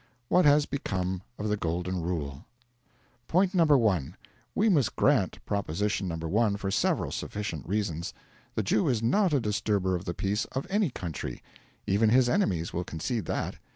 What has become of the Golden Rule? Point No. 1. We must grant proposition No. 1, for several sufficient reasons. The Jew is not a disturber of the peace of any country. Even his enemies will concede that.